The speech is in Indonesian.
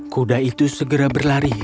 kuda itu segera berlari